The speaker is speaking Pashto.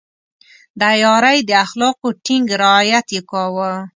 د عیارۍ د اخلاقو ټینګ رعایت يې کاوه.